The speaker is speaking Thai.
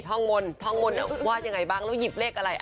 ท่องมนว่ายังไงบ้างแล้วหยิบเลขอะไร